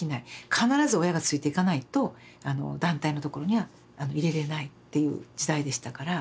必ず親がついていかないと団体のところには入れれないっていう時代でしたから。